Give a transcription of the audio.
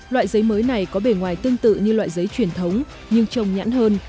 loại giấy mới này có bề ngoài tương tự như loại giấy truyền thống nhưng trồng nhãn hơn